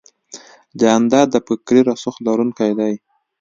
جانداد د فکري رسوخ لرونکی دی.